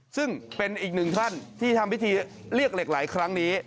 ซึ่งเป็นอีกหนึ่งท่านที่ทำพิธีเรียกเหล็กไหลครั้งนี้